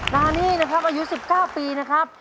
นานี่นะครับอายุ๑๙ปีนะครับ